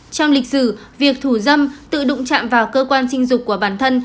trong lịch sử việc thủ dâm tự đụng chạm vào cơ quan sinh dục của bản thân